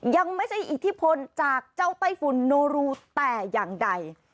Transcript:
ยังไม่ใช่อิทธิพลจากเจ้าไต้ฝุ่นโนรูแต่อย่างใด